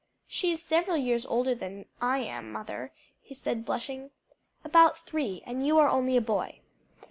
"She is several years older than I am, mother," he said, blushing. "About three; and you are only a boy."